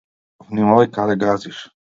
Внимавај каде газиш!